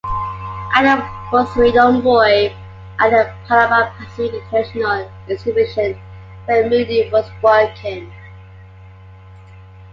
Adams was a young boy at the Panama-Pacific International Exhibition, where Mooney was working.